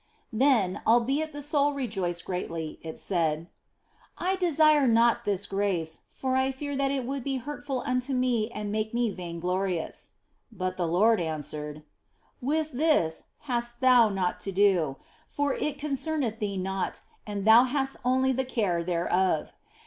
Then, albeit the soul rejoiced greatly, it said, " I de sire not this grace, for I fear that it would be hurtful unto me and make me to be vainglorious." But the Lord answered, " With this hast thou naught to do, for it concerneth thee not and thou hast only the care thereof.